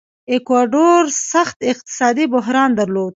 ایکواډور سخت اقتصادي بحران درلود.